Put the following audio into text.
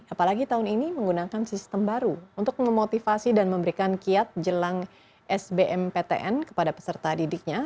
apalagi tahun ini menggunakan sistem baru untuk memotivasi dan memberikan kiat jelang sbmptn kepada peserta didiknya